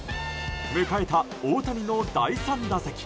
迎えた大谷の第３打席。